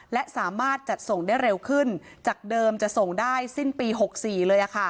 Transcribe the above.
และสามารถจัดส่งได้เร็วขึ้นจากเดิมจะส่งได้สิ้นปี๖๔เลย